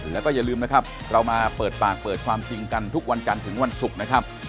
แล้วก็อย่าลืมนะครับเรามาเปิดปากเปิดความจริงกันทุกวันจันทร์ถึงวันศุกร์นะครับ